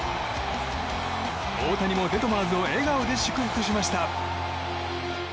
大谷もデトマーズを笑顔で祝福しました。